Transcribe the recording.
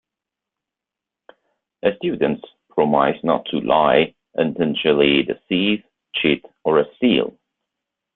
Students promise not to lie, intentionally deceive, cheat, or steal.